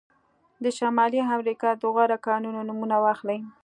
د شمالي امریکا د غوره کانونه نومونه واخلئ.